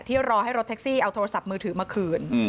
รอให้รถแท็กซี่เอาโทรศัพท์มือถือมาคืน